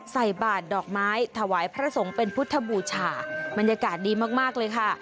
ใส่บาทดอกไม้ถวายพระสงฆ์เป็นพุทธบูชาบรรยากาศดีมากมากเลยค่ะ